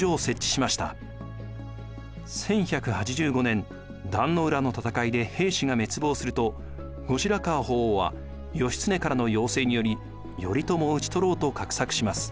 １１８５年壇の浦の戦いで平氏が滅亡すると後白河法皇は義経からの要請により頼朝を討ち取ろうと画策します。